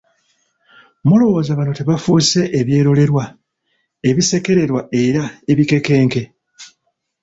Mulowooza bano tebafuuse ebyerolerwa, ebisekererwa era ebikekenke?